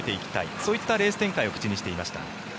そういったレース展開を口にしていました。